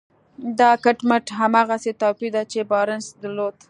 دا کټ مټ هماغسې توپير دی چې بارنس درلود.